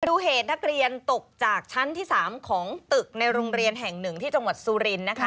ดูเหตุนักเรียนตกจากชั้นที่๓ของตึกในโรงเรียนแห่งหนึ่งที่จังหวัดสุรินทร์นะคะ